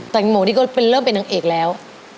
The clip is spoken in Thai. แตะมือกนี้ก็เป็นเริ่มเป็นนางเอกแล้ว